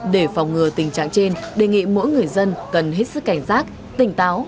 để phòng ngừa tình trạng trên đề nghị mỗi người dân cần hết sức cảnh giác tỉnh táo